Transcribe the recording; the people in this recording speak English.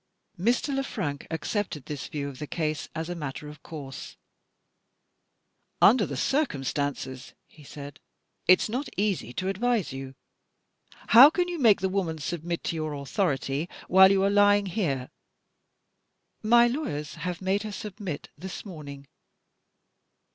Mr. Le Frank accepted this view of the case as a matter of course. "Under the circumstances," he said, "it's not easy to advise you. How can you make the woman submit to your authority, while you are lying here?" "My lawyers have made her submit this morning."